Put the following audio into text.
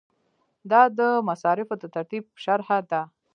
دا د مصارفو د ترتیب شرحه ده.